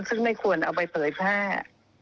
ซึ่งไม่ควรเอาไปเผยแพร่